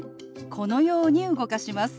このように動かします。